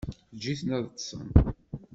Eǧǧ-iten ad ṭṭsen.